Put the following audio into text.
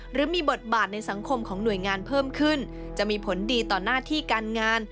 หรือมีบทบาทในสังคมของหน่วยงานเพิ่มขึ้นจะมีผลดีต่อหน้าที่การงาน